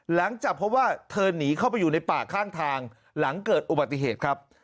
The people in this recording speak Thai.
หลังจากพบว่าเธอหนีเข้าไปอยู่ในป่าข้างทางหลังเกิดอุบัติเหตุครับ